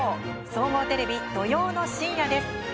総合テレビ土曜の深夜です。